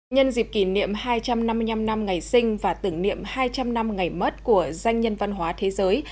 nhân dịp kỷ niệm hai trăm năm mươi năm năm ngày sinh và tưởng niệm hai trăm linh năm ngày mất của danh nhân văn hóa thế giới